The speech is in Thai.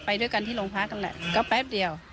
ไปด้วยกันที่โรงพักนั่นแหละก็แป๊บเดียว